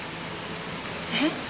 えっ？